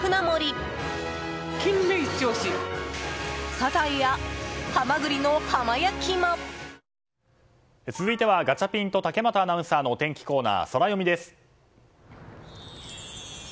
東京海上日動続いてはガチャピンと竹俣アナウンサーのお天気コーナー、ソラよみです。